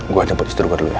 gue aja buat istri gue tadi ya